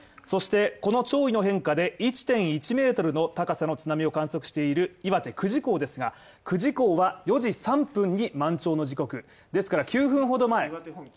そして、この潮位の変化で１．１ｍの高さの津波を観測している岩手久慈港ですが、９時以降は４時３分に満潮の時刻ですから９分ほど前。